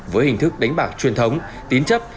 với hình thức đánh bạc truyền thống tín chấp